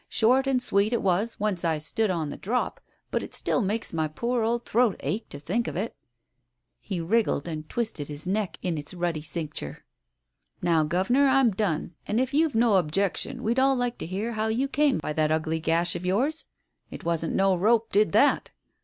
Short and sweet it was once I stood on the drop, but it still makes my poor old throat ache to think of it." He wriggled and twisted his neck in its ruddy cinc ture. ... "Now, governor, I'm done, and if you've no objection we'd all like to hear how you came by that ugly gash of Digitized by Google THE COACH 147 yours? It wasn't no rope did that.